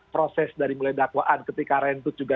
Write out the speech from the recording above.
proses dari mulai dakwaan ketika rentut juga